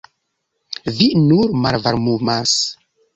Vi nur malvarmumas.